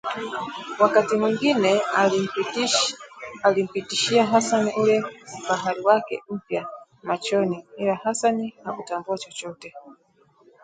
Wakati mwingine alimpitishia Hassan ule ufahari wake mpya machoni ila Hassan hakutambua chochote